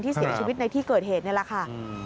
เสียชีวิตในที่เกิดเหตุนี่แหละค่ะ